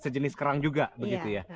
sejenis kerang juga begitu ya